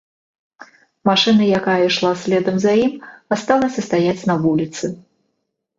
Машына, якая ішла следам за ім, асталася стаяць на вуліцы.